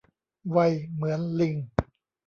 ไวเหมือนลิง